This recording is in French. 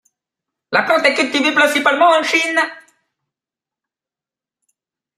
La plante est cultivée principalement en Chine.